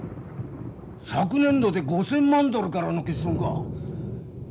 昨年度で５，０００万ドルからの欠損か！